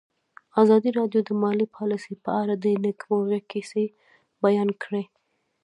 ازادي راډیو د مالي پالیسي په اړه د نېکمرغۍ کیسې بیان کړې.